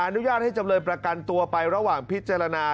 อนุญาตให้จำเลยประกันตัวไประหว่างพิจารณา